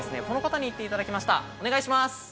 この方に行っていただきましたお願いします。